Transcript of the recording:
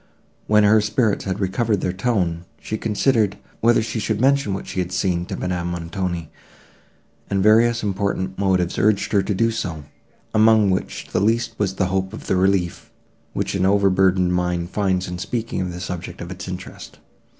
When her spirits had recovered their tone, she considered, whether she should mention what she had seen to Madame Montoni, and various and important motives urged her to do so, among which the least was the hope of the relief, which an overburdened mind finds in speaking of the subject of its interest.